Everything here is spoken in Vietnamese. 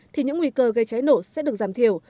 thì những nguy cơ gây cháy nổ sẽ được giảm thiểu